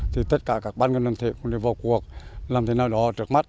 thì tất cả các ban cân đoàn thể cũng đều vào cuộc làm thế nào đó trước mắt